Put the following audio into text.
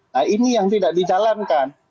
nah ini yang tidak dijalankan